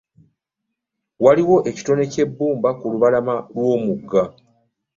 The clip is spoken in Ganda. Waaliwo ekitole ky'ebbumba ku lubalama lw'omugga.